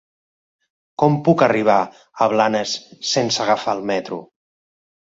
Com puc arribar a Blanes sense agafar el metro?